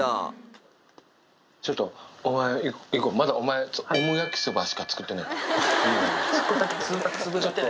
ちょっと、お前、いこう、まだお前、オム焼きそばしか作ってないから。